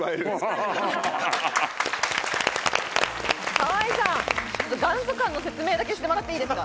河合さん、元祖感の説明だけしてもらっていいですか？